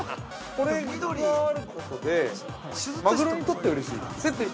これがあることで、マグロにとってうれしい？